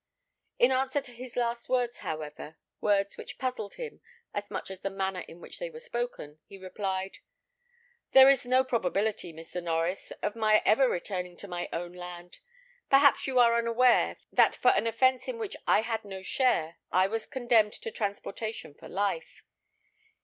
In answer to his last words, however words which puzzled him as much as the manner in which they were spoken, he replied, "There is no probability, Mr. Norries, of my ever returning to my own land. Perhaps you are unaware, that for an offence in which I had no share, I was condemned to transportation for life.